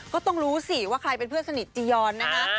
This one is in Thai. ก็ต้องรู้สิว่าใครเป็นเพื่อนสนิทจียอนนะคะ